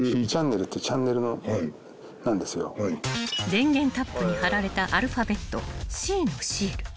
［電源タップに貼られたアルファベット「Ｃ」のシール］